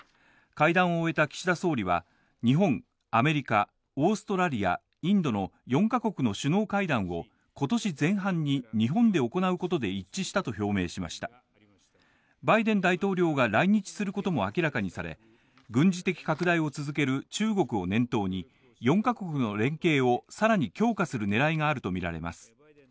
会談を終えた岸田総理は、日本アメリカ、オーストラリア、インドの４ヶ国の首脳会談を、今年前半に日本で行うことで一致したと表明しましたバイデン大統領が来日することも明らかにされ、軍事的拡大を続ける中国を念頭に、４ヶ国の連携をさらに強化する狙いがあるとみられます。